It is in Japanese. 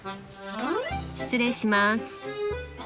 失礼します。